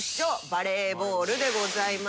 バレーボールでございます。